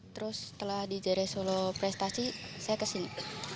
terus setelah di jaya raya solo prestasi saya ke sini